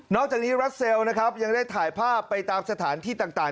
จากนี้รัสเซลนะครับยังได้ถ่ายภาพไปตามสถานที่ต่าง